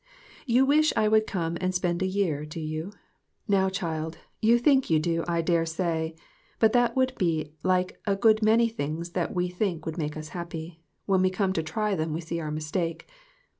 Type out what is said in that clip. You wish I would come and spend a year, do you ? Now, child, you think you do, I dare say. But that would be like a good many things that we think would make us happy; when we come to try them we see our mistake.